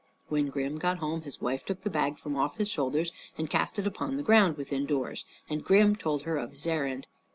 When Grim got home his wife took the bag from off his shoulders and cast it upon the ground within doors; and Grim told her of his errand.